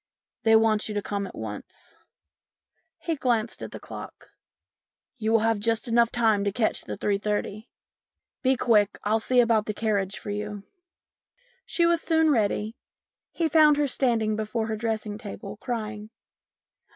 They want you to come at once." He glanced at the clock. " You will just have time to catch the 3.30. Be quick, I'll see about the carriage for you." She was soon ready. He found her standing before her dressing table, crying.